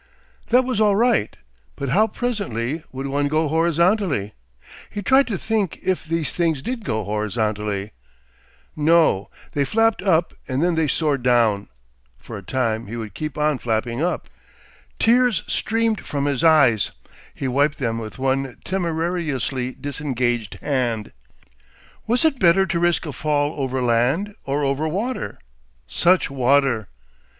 That was all right, but how presently would one go horizontally? He tried to think if these things did go horizontally. No! They flapped up and then they soared down. For a time he would keep on flapping up. Tears streamed from his eyes. He wiped them with one temerariously disengaged hand. Was it better to risk a fall over land or over water such water?